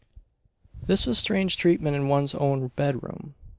This was strange treatment in one's own bed room!